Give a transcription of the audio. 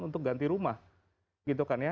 untuk ganti rumah gitu kan ya